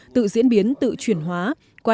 tự diễn biến tự truyền hóa